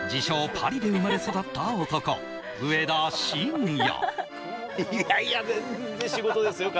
パリで生まれ育った男・上田晋也。